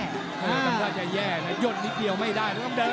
ทำท่าจะแย่นะยกนิดเดียวไม่ได้ต้องเดิน